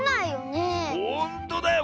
ほんとだよ！